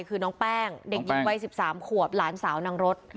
คือน้องแป้งเด็กหญิงวัย๑๓ขวบหลานสาวนางรถ